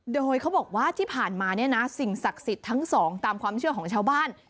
โดยเขาบอกว่าที่ผ่านมาเนี่ยนะสิ่งศักดิ์สิทธิ์ทั้งสองตามความเชื่อของชาวบ้าน